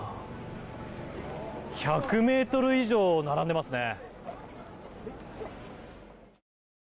１００ｍ以上並んでますね。